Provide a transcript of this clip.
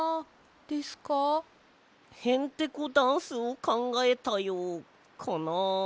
へんてこダンスをかんがえたよかなあ？